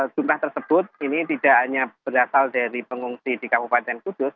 jumlah tersebut ini tidak hanya berasal dari pengungsi di kabupaten kudus